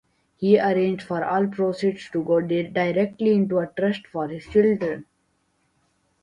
He arranged for all proceeds to go directly into a trust for his children.